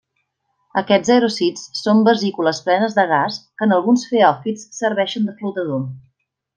Aquests aerocists són vesícules plenes de gas que, en alguns feòfits, serveixen de flotador.